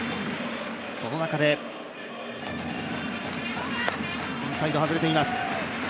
その中でインサイド、外れています。